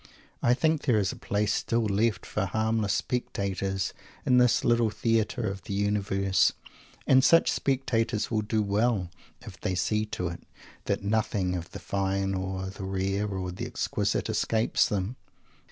I think there is a place still left for harmless spectators in this Little Theatre of the Universe, And such spectators will do well if they see to it that nothing of the fine or the rare or the exquisite escapes them.